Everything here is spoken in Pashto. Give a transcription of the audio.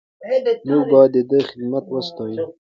موږ باید د ده خدمتونه وستایو.